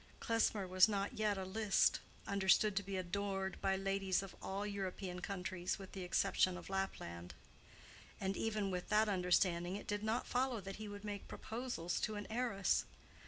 Klesmer was not yet a Liszt, understood to be adored by ladies of all European countries with the exception of Lapland: and even with that understanding it did not follow that he would make proposals to an heiress.